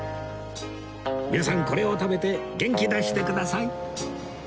皆さんこれを食べて元気出してください！